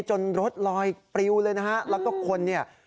จนรถลอยปริวเลยนะฮะแล้วก็คนเนี่ย